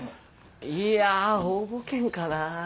いや応募券かな。